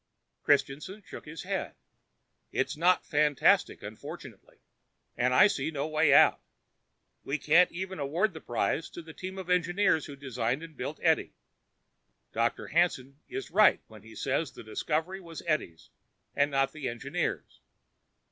Christianson shook his head. "It's not fantastic, unfortunately. And I see no way out. We can't even award the prize to the team of engineers who designed and built Edie. Dr. Hanson is right when he says the discovery was Edie's and not the engineers'.